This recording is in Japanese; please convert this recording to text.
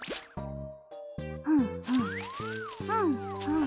ふんふんふんふん。